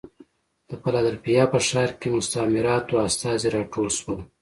د فلادلفیا په ښار کې مستعمراتو استازي راټول شول.